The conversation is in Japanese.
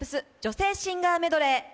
女性シンガーメドレー。